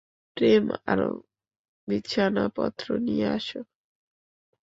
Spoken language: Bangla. প্রেম, আরও বিছানাপত্র নিয়ে আসো।